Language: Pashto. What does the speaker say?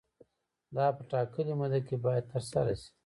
دا په ټاکلې موده کې باید ترسره شي.